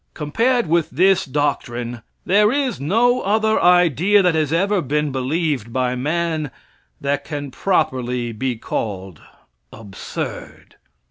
Compared with this doctrine, there is no other idea, that has ever been believed by man, that can properly be called absurd.